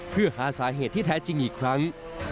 เพื่อหาสาเหตุที่แท้จริงอีกครั้ง